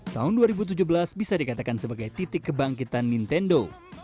tahun dua ribu tujuh belas bisa dikatakan sebagai titik kebangkitan nintendo